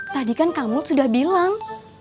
tadi kan kamu sudah bilang